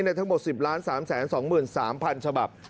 ในทั้งหมด๑๐ล้าน๓แสน๒๓พันฉบับ